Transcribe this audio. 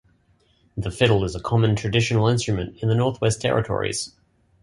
The fiddle is a common traditional instrument in the Northwest Territories.